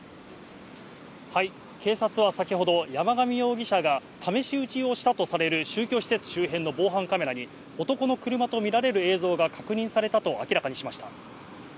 警察は先ほど、山上容疑者が試し撃ちをしたとされる宗教施設周辺の防犯カメラに男の車とみられる映像が確認されたと明らかにしました。